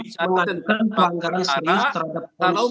tidak mengandungkan peranggaran serius terhadap polisi tsm